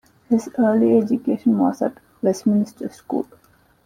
His early education was at Westminster School.